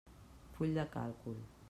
Full de càlcul.